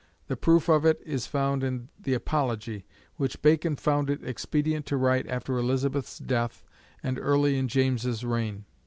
The proof of it is found in the "Apology" which Bacon found it expedient to write after Elizabeth's death and early in James's reign.